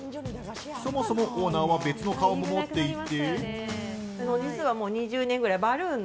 そもそもオーナーは別の顔も持っていて。